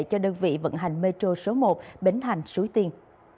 cho đơn vị vận hành metro số một bến thành suối tiên